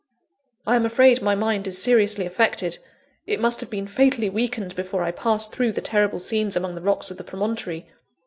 I am afraid my mind is seriously affected; it must have been fatally weakened before I passed through the terrible scenes among the rocks of the promontory.